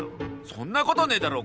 そんなことねえだろ！